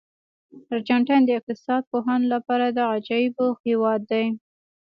ارجنټاین د اقتصاد پوهانو لپاره د عجایبو هېواد دی.